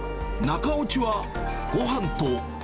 中落ちはごはんと。